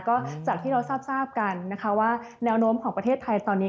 ก็จากที่เราทราบกันนะคะว่าแนวโน้มของประเทศไทยตอนนี้